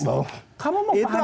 kamu mau paham nggak soal tesis